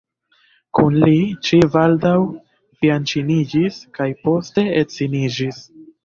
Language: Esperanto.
Kun li, ŝi baldaŭ fianĉiniĝis kaj poste edziniĝis.